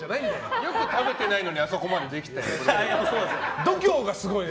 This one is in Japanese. よく食べてないのにあそこまでできたよね。